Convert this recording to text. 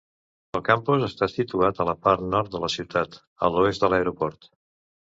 El campus està situat a la part nord de la ciutat, a l'oest de l'aeroport.